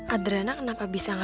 adrena kenapa bisa gak